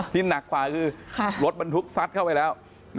ที่หนักความคือรถมันทุกซัดเข้าไปแล้ว